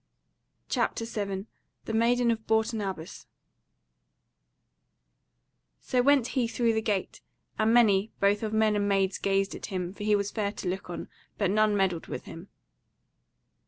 CHAPTER 7 The Maiden of Bourton Abbas So went he through the gate, and many, both of men and maids gazed at him, for he was fair to look on, but none meddled with him.